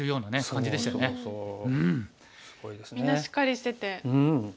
みんなしっかりしてて。